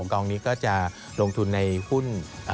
กองนี้ก็จะลงทุนในหุ้น